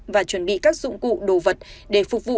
và chuẩn bị các dụng cụ đồ vật để phục vụ